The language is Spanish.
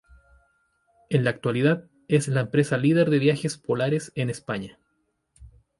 En la actualidad es la empresa líder de viajes polares en España.